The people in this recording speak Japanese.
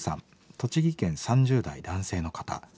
栃木県３０代男性の方。